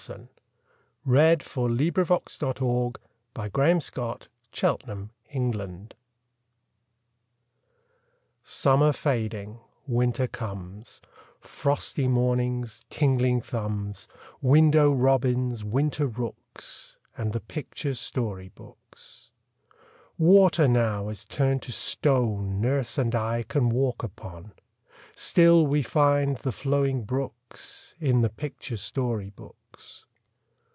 How great and cool the rooms! PICTURE BOOKS IN WINTER Summer fading, winter comes Frosty mornings, tingling thumbs, Window robins, winter rooks, And the picture story books. Water now is turned to stone Nurse and I can walk upon; Still we find the flowing brooks In the picture story books.